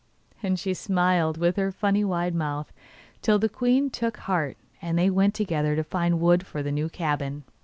And she smiled with her funny wide mouth, till the queen took heart, and they went together to find wood for the new cabin.